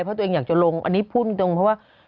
เพราะตัวเองอยากจะลงอันนี้พูดตรงเพราะว่า